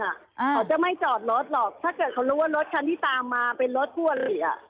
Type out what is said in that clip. เขาจะไม่จอดรถหรอกถ้าเกิดเขารู้ว่ารถคันที่ตามมาเป็นรถคู่อลิอ่ะ